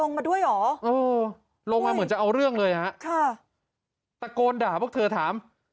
ก็เหมือนจะเอาเรื่องเลยครับตะโกนด่าพวกเธอถาม